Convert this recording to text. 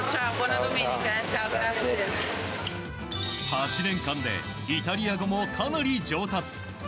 ８年間でイタリア語もかなり上達。